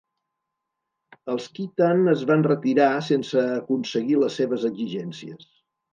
Els Khitan es van retirar sense aconseguir les seves exigències.